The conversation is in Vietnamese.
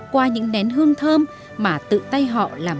qua những nén hương thơm mà tự tay họ làm